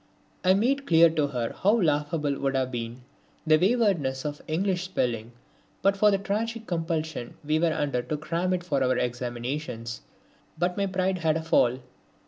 I made clear to her how laughable would have been the waywardness of English spelling but for the tragic compulsion we were under to cram it for our examinations. But my pride had a fall.